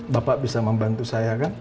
bapak bisa membantu saya kan